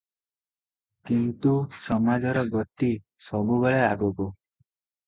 କିନ୍ତୁ ସମାଜର ଗତି ସବୁବେଳେ ଆଗକୁ ।